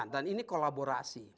dan ini kolaborasi